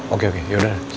oke oke yaudah